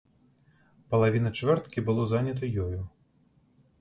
Палавіна чвэрткі было занята ёю.